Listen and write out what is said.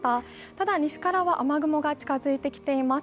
ただ、西からは雨雲が近づいてきています。